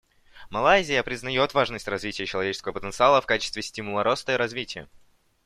Малайзия признает важность развития человеческого потенциала в качестве стимула роста и развития.